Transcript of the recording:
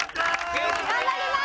頑張ります！